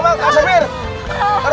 gua agak ngerti nek